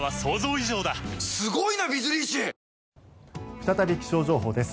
再び気象情報です。